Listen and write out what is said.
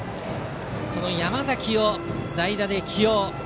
この山崎を代打で起用。